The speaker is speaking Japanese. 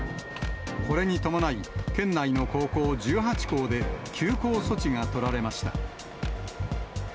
これに伴い、県内の高校１８校で休校措置が取られました。